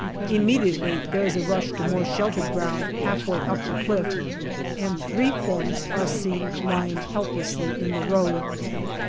Immediately there is a rush to more sheltered ground half way up the cliff, and three forms are seen lying helplessly in the road.